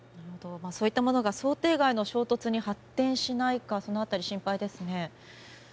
そういったものが想定外の衝突に発展しないかその辺り心配ですね。